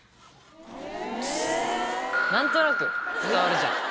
何となく伝わるじゃん。